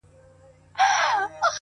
ورباندي پايمه په دوو سترگو په څو رنگه؛